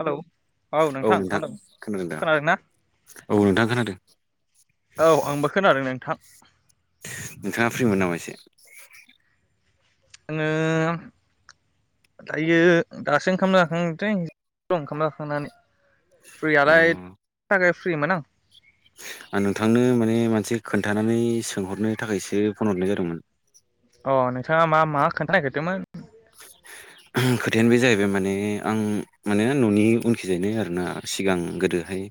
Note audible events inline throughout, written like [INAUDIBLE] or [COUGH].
Hello औ नोंथां hello खोनादोंना? औ नोंथां खोनादों औ आंबो खोनादों नोंथां। बिथाङा फ्रिमोन नामा एसे आङो दायो दासो ओंखाम जाखांदों दों ओंखाम जाखांनानै अ फ्रियालाय था फ्रिमोन आं। आं नोंथांनो माने मोनसे खोन्थानानै सोंहरनो थाखायसो फन हरनाय जादोंमोन। अ नोंथाङा मा मा खोन्थानो नागिरदोंमोन। खोथायानो बे जाहैबाय माने आं माने न'नि उनखिजायनाय आरोना सिगां गोदोहाय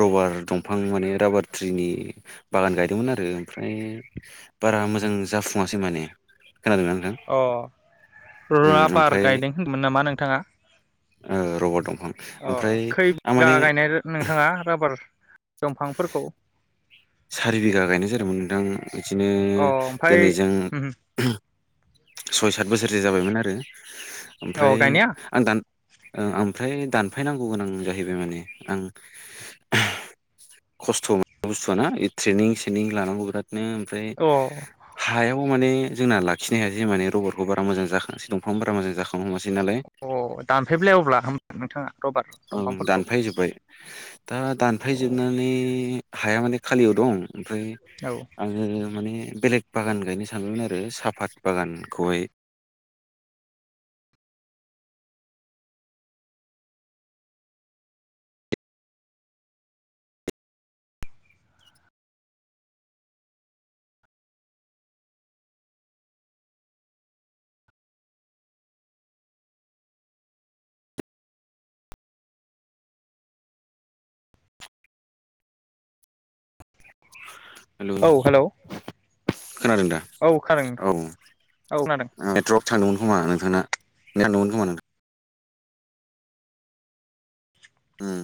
रबार दंफां माने राबार ट्रिनि बागान गायदोंमोन आरो ओमफ्राय बारा मोजां जाफुङासै माने। खोनादोंना नोंथां? उम र-राबार ओमफ्राय गायदों होनदोंमोन नामा नोंथाङा ओ रबार दंफां ओमफ्राय अ खै आं बिगा माने गायनाय नोंथाङा राबार दंफांफोरखौ सारि बिघा गायनाय जादोंमोन नोंदां बिदिनो अ ओमफाय दिनैजों सय सात बोसोरसो जाबायमोन आरो अ ओमफ्राय गायनाया आं दान ओ ओमफ्राय दानफायनांगौ गोनां जाहैबाय माने आं खस्थ' म बुस्थुव ना ट्रेनिं सेेनिं लानांगौ बिरात बि ओमफ्राय अ हायाव याव माने जोंना लाखि हायासै जि माने रबरखौ बा मोजाखांआसै दंफां फोरा मोजां जाखांआ अ दानफायबाय अब्ला होन नोंथाङा रबार ओं दंफांफोरखौ दानफायजोब्बाय दा औ दानफायजोबनानै हाया माने खालियाव दं ओमफ्राय आङो माने बेलेग बागान गायनो सानोमोन आरो साफात बागानखौहाय औ हेलौ खोनादों दा औ खोनादों नोंथां औ औ खोनादों मेट्रप [UNINTELLIGIBLE] उम